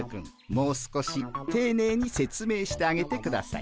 もう少していねいに説明してあげてください。